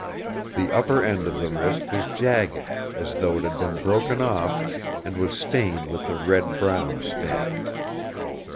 The upper end of the wrist was jagged, as though it had been broken off, and was stained with a red brown stain.